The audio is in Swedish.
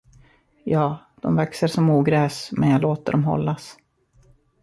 Ja, de växer som ogräs men jag låter dem hållas.